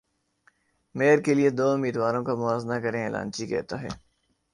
mayor کے لیے دو امیدواروں کا موازنہ کریں اعلانچی کہتا ہے